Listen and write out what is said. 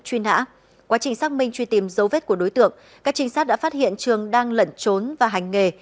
truy nã quá trình xác minh truy tìm dấu vết của đối tượng các trinh sát đã phát hiện trường đang lẩn trốn và hành nghề